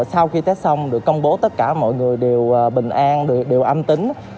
sau khi tết xong được công bố tất cả mọi người đều bình an đều âm tính